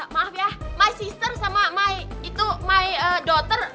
maaf ya my sister sama my daughter